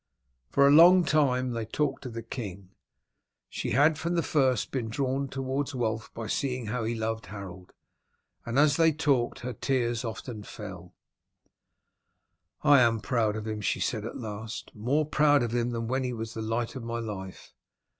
For a long time they talked of the king. She had from the first been drawn towards Wulf by seeing how he loved Harold, and as they talked her tears often fell. "I am proud of him," she said at last; "more proud of him than when he was the light of my life.